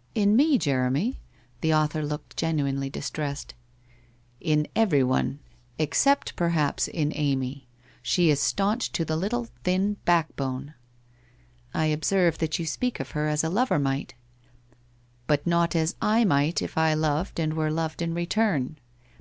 ' In me, Jeremy ?' The author looked genuinely dis tressed. ' In everyone, except perhaps in Amy. She is staunch to the little thin backbone.' ' I observe that you speak of her as a lover might.' 'But not as 7 might if I loved and were loved in re turn